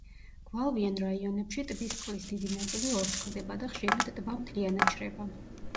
გვალვიან რაიონებში ტბის წყლის დიდი ნაწილი ორთქლდება და ხშირად ტბა მთლიანად შრება.